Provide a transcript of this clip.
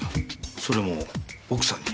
それも奥さんに。